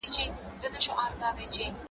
پر سینه یې د تیرې مشوکي وار سو ,